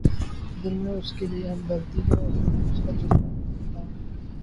دل میں اس کے لیے ہمدردی اور خلوص کا جذبہ اُمڈ آتا